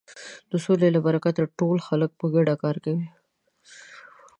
د سولې له برکته ټول خلک په ګډه کار کوي.